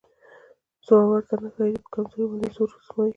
زورور ته نه ښایي چې په کمزوري باندې زور وازمایي.